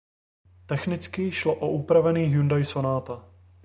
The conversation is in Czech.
Technicky šlo o upravený Hyundai Sonata.